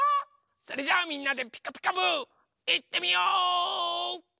それじゃあみんなで「ピカピカブ！」いってみよう！